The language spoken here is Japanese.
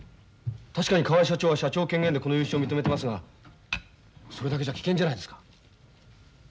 確かに河合社長は社長権限でこの融資を認めてますがそれだけじゃ危険じゃないですか？